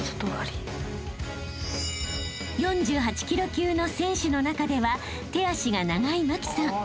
［４８ｋｇ級の選手の中では手足が長い茉輝さん］